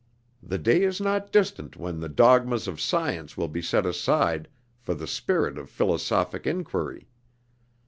The day is not distant when the dogmas of science will be set aside for the spirit of philosophic inquiry.